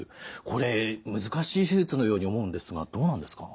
これ難しい手術のように思うんですがどうなんですか？